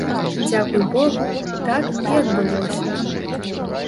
Дзякуй богу, так і адбылося.